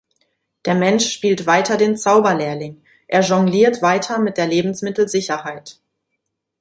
Der Mensch spielt weiter den Zauberlehrling, er jongliert weiter mit der Lebensmittelsicherheit.